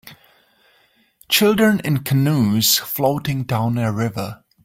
Children in canoes floating down a river.